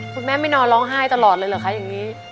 คุณแม่ไม่นอนร้องไห้ตลอดเลยเหรอคะอย่างนี้